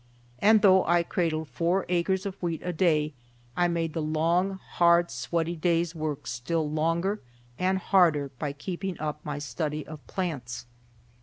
And although I cradled four acres of wheat a day, I made the long, hard, sweaty day's work still longer and harder by keeping up my study of plants.